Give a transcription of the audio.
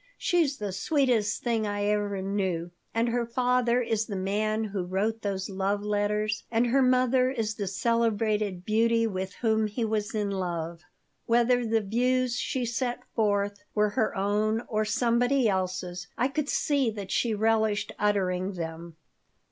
"She's the sweetest thing I ever knew, and her father is the man who wrote those love letters, and her mother is the celebrated beauty with whom he was in love." Whether the views she set forth were her own or somebody else's, I could see that she relished uttering them.